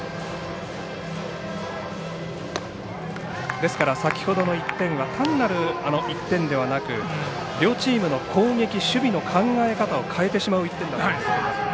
ですから先ほどの１点は単なる１点ではなくて両チームの攻撃、守備の考え方を変えてしまう１点だったということですね。